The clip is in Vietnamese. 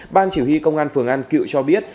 ban chỉ huy công an phường an cựu cho biết